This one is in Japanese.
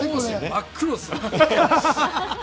真っ黒ですね。